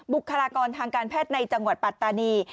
บุคลากรทางการแพทย์ในจังหวัดปัตตานี